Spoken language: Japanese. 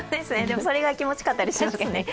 それが気持ちよかったりしますよね。